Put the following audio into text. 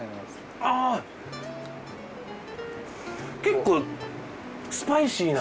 結構スパイシーな。